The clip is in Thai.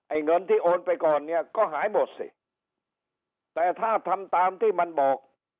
เงินที่โอนไปก่อนเนี่ยก็หายหมดสิแต่ถ้าทำตามที่มันบอก